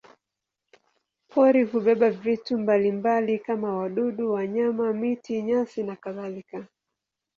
Pori hubeba vitu mbalimbali kama wadudu, wanyama, miti, nyasi nakadhalika.